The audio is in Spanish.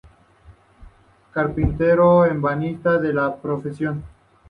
Carpintero-ebanista de profesión.